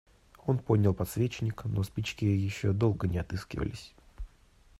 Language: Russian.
Он поднял подсвечник, но спички еще долго не отыскивались.